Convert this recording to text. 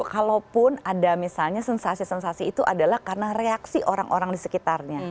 kalaupun ada misalnya sensasi sensasi itu adalah karena reaksi orang orang di sekitarnya